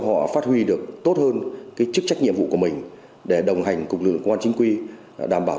họ phát huy được tốt hơn chức trách nhiệm vụ của mình để đồng hành cùng lực lượng chính quy đảm bảo